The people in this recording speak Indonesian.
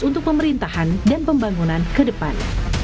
untuk pemerintahan dan pembangunan ke depan